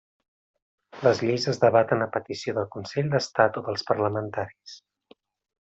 Les lleis es debaten a petició del Consell d'Estat o dels parlamentaris.